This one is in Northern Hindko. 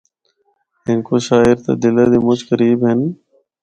ہندکو شاعر تے دلا دے مُچ قریب ہن۔